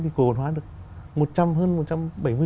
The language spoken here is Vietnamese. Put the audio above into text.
thì cổ bản hóa được một trăm linh hơn